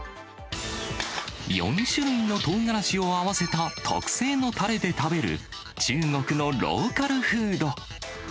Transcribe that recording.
４種類のトウガラシを合わせた特製のたれで食べる中国のローカルフード。